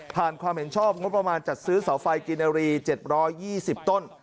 ผ่านความเห็นชอบงบประมาณจัดซื้อสาวไฟฟ้ากินาลี๗๒๐ต้น